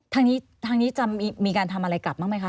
ทางนี้ทางนี้จะมีการทำอะไรกลับบ้างไหมคะ